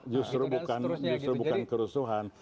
justru bukan kerusuhan